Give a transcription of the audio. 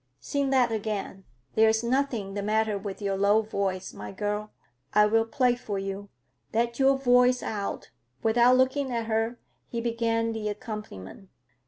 "Sing that again. There is nothing the matter with your low voice, my girl. I will play for you. Let your voice out." Without looking at her he began the accompaniment.